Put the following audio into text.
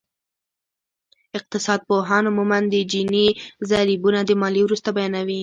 اقتصادپوهان عموماً د جیني ضریبونه د ماليې وروسته بیانوي